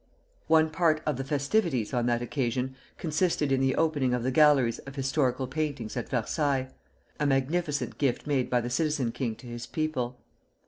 One part of the festivities on that occasion consisted in the opening of the galleries of historical paintings at Versailles, a magnificent gift made by the Citizen King to his people.